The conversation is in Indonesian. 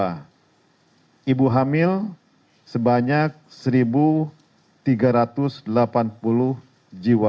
ibu hamil sebanyak satu tiga ratus delapan puluh jiwa